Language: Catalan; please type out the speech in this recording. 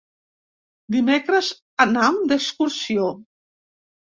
Dimecres anam d'excursió.